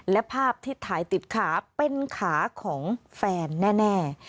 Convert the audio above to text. และภาพที่ถ่ายติดขาเป็นขาของแฟนแน่